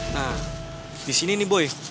nah disini nih boy